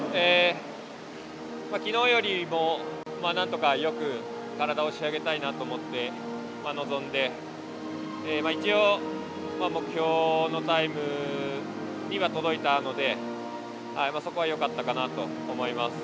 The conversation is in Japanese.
きのうより、なんとかよく体を仕上げたいなと思って臨んで一応目標のタイムには届いたのでそこは、よかったかなと思います。